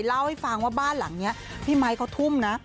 เล่าให้ฟังว่าบ้านหลังนี้พี่ไมค์เขาทุ่มนะ